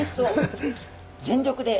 全力で。